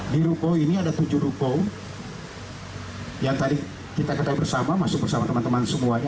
di ruko ini ada tujuh ruko yang tadi kita ketahui bersama masuk bersama teman teman semuanya